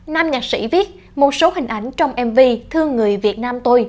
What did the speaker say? nam nhạc sĩ viết một số hình ảnh trong mv thương người việt nam tôi